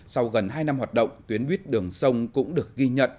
sau gần hai năm hoạt động tuyến buýt đường sông cũng được ghi nhận